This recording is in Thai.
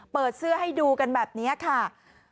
เปิดเสื้อให้ดูกันแบบนี้ค่ะ